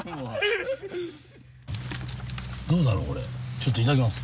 ちょっといただきます。